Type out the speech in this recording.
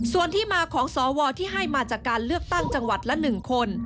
ส่วนที่มาของสวที่ให้มาจากการเลือกตั้งจังหวัดละ๑คน